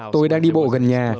tôi đang đi bộ gần nhà